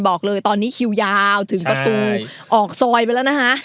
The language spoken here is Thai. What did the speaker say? บอกเลยตอนนี้คิวยาวถึงประตูออกซอยไปแล้วนะคะ